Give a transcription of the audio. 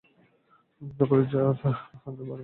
চকোরী যে আজ চাঁদকে ছাড়িয়া মেঘের দরবারে!